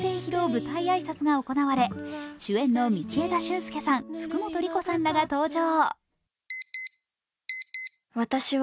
舞台挨拶が行われ主演の道枝駿佑さん、福本莉子さんらが登場。